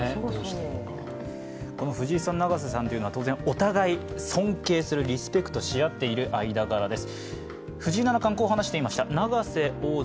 藤井さん、永瀬さんというのはお互い尊敬し合っている、リスペクトし合っている間柄です。